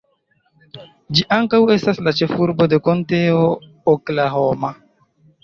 Ĝi ankaŭ estas la ĉefurbo de Konteo Oklahoma.